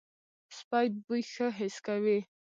سپي بوی ښه حس کوي.